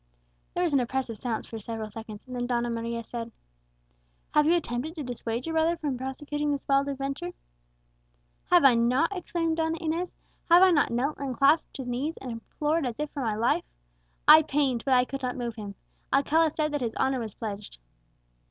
There was an oppressive silence for several seconds and then Donna Maria said, "Have you attempted to dissuade your brother from prosecuting this wild adventure?" "Have I not?" exclaimed Donna Inez; "have I not knelt and clasped his knees, and implored as if for my life? I pained, but I could not move him; Alcala said that his honour was pledged."